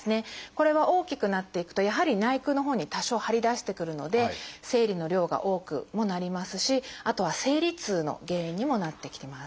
これは大きくなっていくとやはり内腔のほうに多少張り出してくるので生理の量が多くもなりますしあとは生理痛の原因にもなってきます。